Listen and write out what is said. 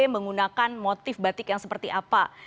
menggunakan motif batik yang seperti apa